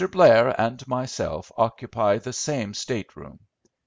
Blair and myself occupy the same state room.